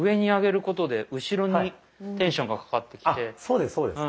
そうですそうです。